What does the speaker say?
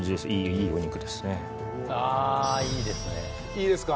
いいですか。